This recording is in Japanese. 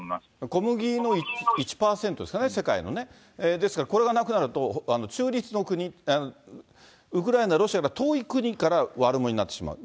小麦の１％ですかね、世界のね、ですからこれがなくなると、中立の国、ウクライナ、ロシアから遠い国から悪者になってしまう。